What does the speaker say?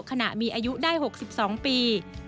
ขณะมีอายุได้๖๒ปี